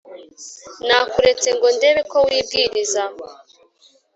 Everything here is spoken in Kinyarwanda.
Nakuretse ngo ndebe ko wibwiriza